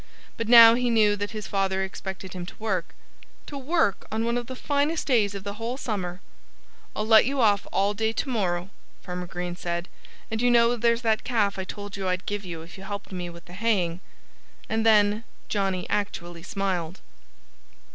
But now he knew that his father expected him to work to work on one of the finest days of the whole summer! "I'll let you off all day to morrow," Farmer Green said. "And you know there's that calf I told you I'd give you if you helped me with the haying." And then Johnnie actually smiled.